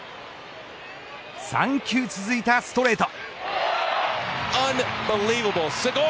３球続いたストレート。